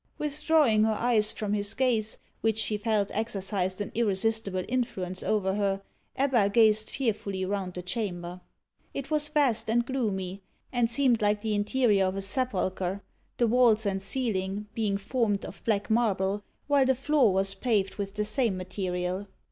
Withdrawing her eyes from his gaze, which she felt exercised an irresistible influence over her, Ebba gazed fearfully round the chamber. It was vast and gloomy, and seemed like the interior of a sepulchre the walls and ceiling being formed of black marble, while the floor was paved with the same material.